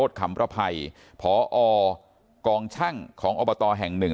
ขำประภัยพอกองช่างของอบตแห่งหนึ่ง